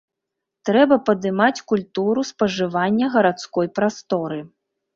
Трэба падымаць культуру спажывання гарадской прасторы.